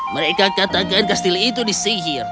mereka katakan kastil itu disihir